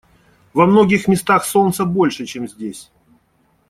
Во многих местах солнца больше, чем здесь.